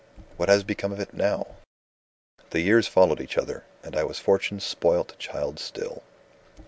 What has become of it now? "The years followed each other and I was Fortune's spoilt child still.